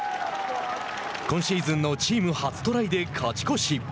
今シーズンのチーム初トライで勝ち越し。